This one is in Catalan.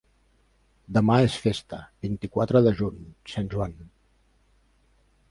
Demà és festa, vint-i-quatre de juny, Sant Joan.